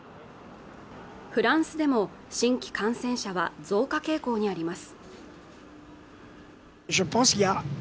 フランスでも新規感染者は増加傾向にあります